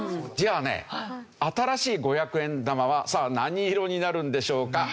じゃあね新しい５００円玉はさあ何色になるんでしょうか？